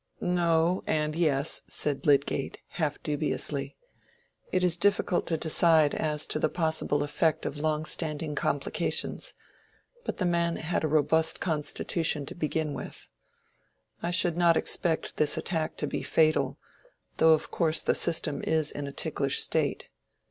"No—and yes," said Lydgate, half dubiously. "It is difficult to decide as to the possible effect of long standing complications; but the man had a robust constitution to begin with. I should not expect this attack to be fatal, though of course the system is in a ticklish state.